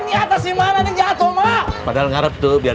itu tuh matur mana mertua saya